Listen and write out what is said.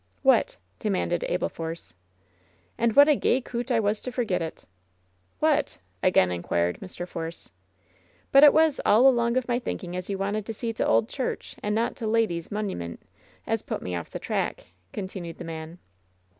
"What?" demanded Abel Force "And what a gey coote I was to forget it !" "What ?" again inquired Mr. Force. "But it was all along of my thinking as you wanted to see t' auld church, and not the leddy's munniment, as put me off the track," continued the man.